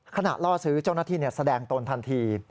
ขณะล่อซื้อเจ้าหน้าที่แสดงตนทันที